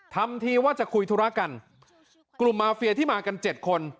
ทำทีว่าจะคุยธุระกันกลุ่มมาเฟียที่มากันเจ็ดคน